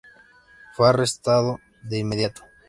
Fue arrestado de inmediato.